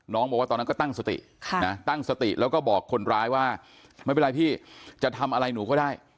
บอกว่าตอนนั้นก็ตั้งสติตั้งสติแล้วก็บอกคนร้ายว่าไม่เป็นไรพี่จะทำอะไรหนูก็ได้